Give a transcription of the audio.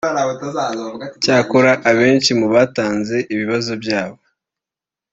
Cyakora abenshi mu batanze ibibazo byabo